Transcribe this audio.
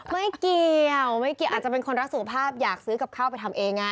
ไม่เกี่ยวอาจจะเป็นคนรักสุขภาพอยากซื้อกับข้าวไปทำเองไง